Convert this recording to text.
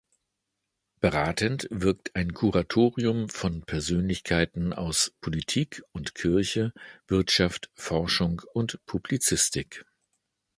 Beratend wirkt ein Kuratorium von Persönlichkeiten aus Politik und Kirche, Wirtschaft, Forschung und Publizistik.